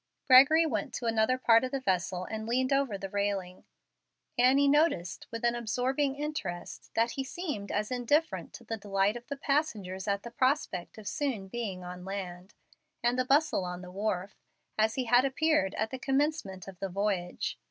Gregory went to another part of the vessel, and leaned over the railing. Annie noticed with an absorbing interest that he seemed as indifferent to the delight of the passengers at the prospect of soon being on land, and the bustle on the wharf, as he had appeared at the commencement of the voyage.